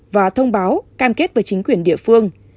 và thông báo cam kết với chính quyền địa phương